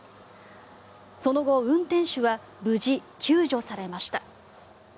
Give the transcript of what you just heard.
その後、運転手は無事救助されました。